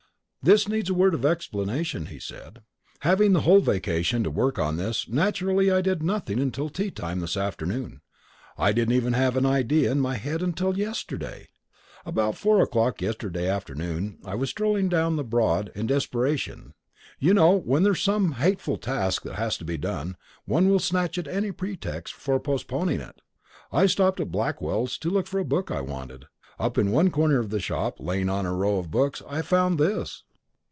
"This needs a word of explanation," he said. "Having the whole vacation to work on this, naturally I did nothing until tea time this afternoon. I didn't even have an idea in my head until yesterday. About four o'clock yesterday afternoon I was strolling down the Broad in desperation. You know when there is some hateful task that has to be done, one will snatch at any pretext for postponing it. I stopped in at Blackwell's to look for a book I wanted. Up in one corner of the shop, lying on a row of books, I found this."